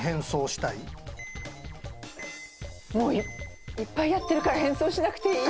もういっぱいやってるから変装しなくていい。